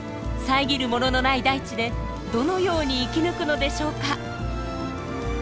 遮るもののない大地でどのように生き抜くのでしょうか？